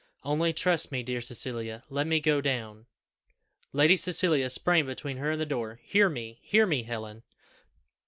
Only trust me, dear Cecilia; let me go down " Lady Cecilia sprang between her and the door. "Hear Me! hear me, Helen!